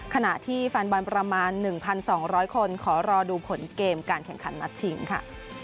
ขณะที่แฟนบอลประมาณ๑๒๐๐คนขอรอดูผลเกมการแข่งขันนัดชิงค่ะ